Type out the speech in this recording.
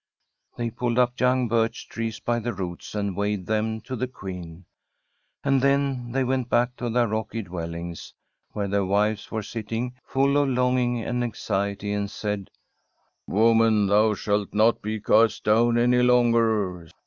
They pulled up young birch trees by the roots and waved them to the Queen, and then they went back to their rocky dwellings, where their wives were sitting, full of longing and anxiety, and said: ' Woman, thou shalt not be cast down any longer.